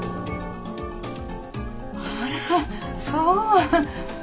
あらそう。